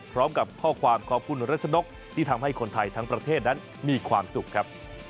พร้อมกับข้อความขอบคุณรัชนกที่ทำให้คนไทยทั้งประเทศนั้นมีความสุขครับ